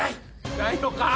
ないのか？